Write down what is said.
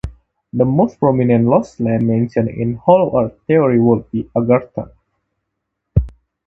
The most prominent lost land mentioned in Hollow Earth theory would be Agartha.